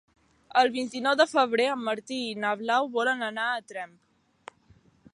El vint-i-nou de febrer en Martí i na Blau volen anar a Tremp.